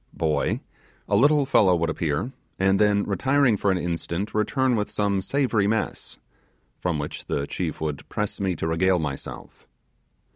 (boy), a little fellow would appear, and then retiring for an instant, return with some savoury mess, from which the chief would press me to regale myself.